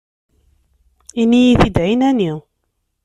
Ini-yi-t-id ɛinani.